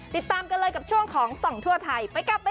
น้ำมันการ์ดครับ